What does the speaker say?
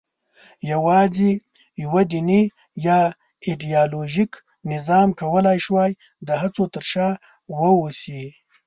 یواځې یوه دیني یا ایدیالوژیک نظام کولای شوای د هڅو تر شا واوسي.